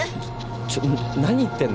ちょっ何言ってんの？